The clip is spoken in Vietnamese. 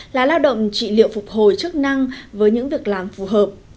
là lao động trị liệu phục hồi chức năng với những việc làm phù hợp